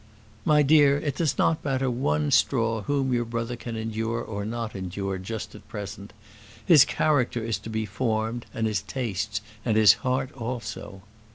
"My dear, it does not matter one straw whom your brother can endure or not endure just at present. His character is to be formed, and his tastes, and his heart also."